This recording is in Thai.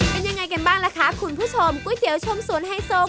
เป็นอย่างไรกันบ้างคุณผู้ชมก๋วยเทียวชมสวนไฮโซล